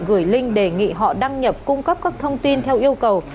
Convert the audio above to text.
gửi link đề nghị họ đăng nhập cung cấp các thông tin theo yêu cầu